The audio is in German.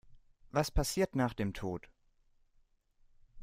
Was passiert nach dem Tod?